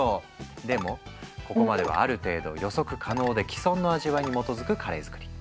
でもここまではある程度予測可能で既存の味わいに基づくカレー作り。